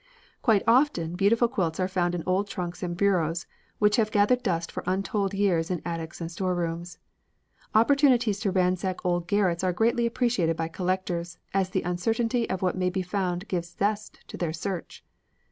Quite often beautiful quilts are found in old trunks and bureaus, which have gathered dust for untold years in attics and storerooms. Opportunities to ransack old garrets are greatly appreciated by collectors, as the uncertainty of what may be found gives zest to their search.